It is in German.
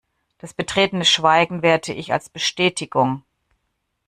Das betretene Schweigen werte ich als Bestätigung.